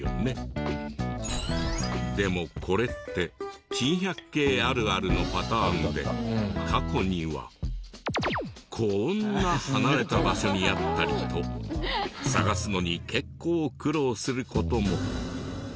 でもこれって珍百景あるあるのパターンで過去にはこんな離れた場所にあったりと探すのに結構苦労する事も。